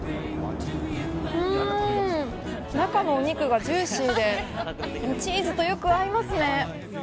中のお肉がジューシーでチーズとよく合いますね。